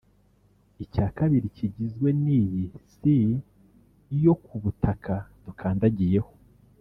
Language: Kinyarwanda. icya kabiri kigizwe n’iyi “Si” yo ku butaka dukandagiyeho